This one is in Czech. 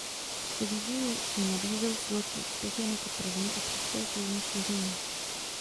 Ve Vídni ji nabízel s velkým úspěchem jako první a přispěl k jejímu šíření.